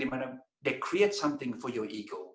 mereka membuat sesuatu untuk ego anda